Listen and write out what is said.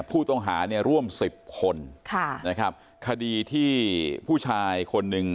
ผู้ต้องหาเนี่ยร่วมสิบคนค่ะนะครับคดีที่ผู้ชายคนหนึ่ง